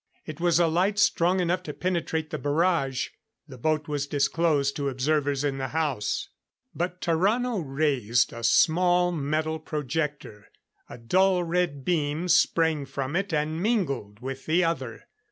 It was a light strong enough to penetrate the barrage the boat was disclosed to observers in the house. But Tarrano raised a small metal projector. A dull red beam sprang from it and mingled with the other.